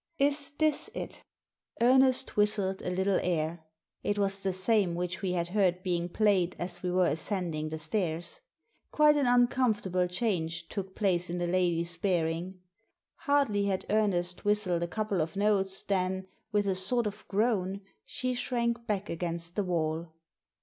"Is this it?" Ernest whistled a little air. It was the same which we had heard being played as we were ascending the stairs. Quite an uncomfortable change took place in the lady's bearing. Hardly had Ernest whistled a couple of notes than, with a sort of groan, she shrank back against the wall.